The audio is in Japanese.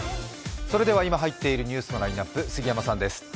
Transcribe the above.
それでは今入っているニュースのラインナップ杉山さんです。